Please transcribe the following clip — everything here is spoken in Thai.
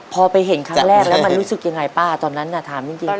พอไปเห็นครั้งแรกแล้วมันรู้สึกยังไงป้าตอนนั้นน่ะถามจริง